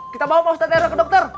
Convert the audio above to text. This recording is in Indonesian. kita bawa pak ustadz era ke dokter